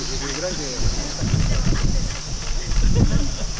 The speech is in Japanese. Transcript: でも、合ってないかも。